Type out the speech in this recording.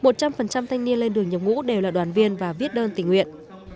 một trăm linh thanh niên lên đường nhập ngũ đều là đoàn viên và viết đơn tình nguyện